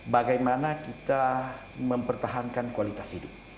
bagaimana kita mempertahankan kualitas hidup